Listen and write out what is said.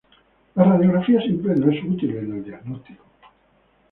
La radiografía simple no es útil en el diagnóstico.